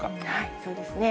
そうですね。